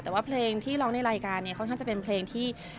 แต่ว่าเพลงที่ร้องในรายการเนี่ยค่อนข้างจะเป็นเพลงที่